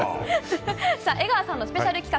江川さんのスペシャル企画